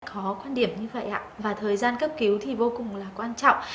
có quan điểm như vậy ạ và thời gian cấp cứu thì vô cùng là quan trọng